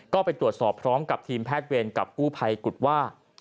ก็ไปตรวจสอบพร้อมกับทีมแพทย์เวรกับกู้ภัยกุฎว่า